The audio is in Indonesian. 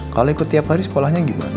kalau ikut tiap hari sekolahnya gimana